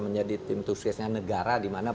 menjadi tim suksesnya negara di mana